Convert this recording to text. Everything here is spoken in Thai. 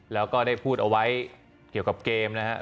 แล้วก็ได้พูดเอาไว้เกี่ยวกับเกมนะครับ